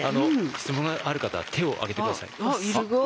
質問のある方手を挙げて下さい。